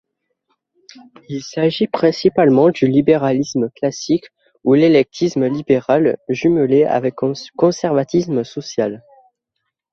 Il s'agit principalement du libéralisme classique ou l'éclectisme libéral jumelé avec un conservatisme social.